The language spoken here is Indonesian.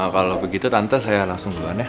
kalau begitu tante saya langsung duluan ya